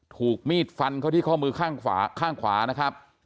ถูกมีดฟันเข้าที่ข้อมือข้างขวานะครับ